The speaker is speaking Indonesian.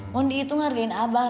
mohon dihitung hargain abah pak